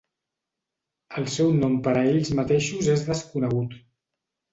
El seu nom per a ells mateixos és desconegut.